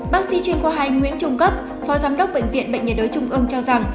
bác sĩ chuyên khoa hai nguyễn trung cấp phó giám đốc bệnh viện bệnh nhiệt đới trung ương cho rằng